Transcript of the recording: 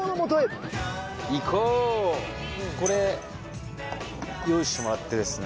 これ用意してもらってですね